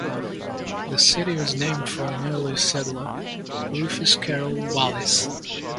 The city was named for an early settler, Rufus Carrol Wallis.